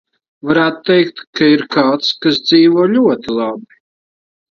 Varētu teikt, ka ir kāds, kas dzīvo ļoti labi.